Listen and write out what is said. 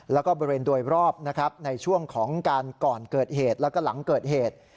แล้วก็บริเวณโดยรอบนะครับในช่วงของการก่อนเกิดเหตุแล้วก็หลังเกิดเหตุ